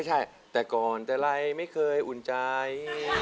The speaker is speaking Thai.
ใช่แต่ก่อนแต่ไรไม่เคยอุ่นใจ